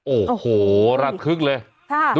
โอ้โหระทึกเลย